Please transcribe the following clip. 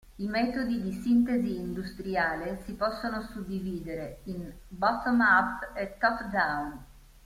I metodi di sintesi industriale si possono suddividere in bottom-up e top-down.